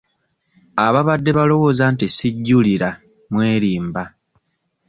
Ababadde balowooza nti sijjulira mwerimba.